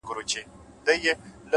د ځان باور پرمختګ چټکوي,